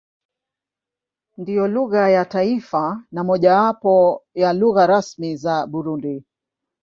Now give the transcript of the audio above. Ndiyo lugha ya taifa na mojawapo ya lugha rasmi za Burundi.